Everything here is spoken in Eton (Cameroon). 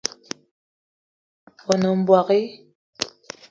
O nem mbogue